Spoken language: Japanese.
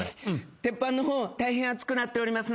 鉄板の方大変熱くなっておりますので。